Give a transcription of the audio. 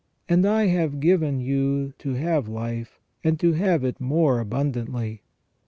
And " I have given you to have life, and to have it more abundantly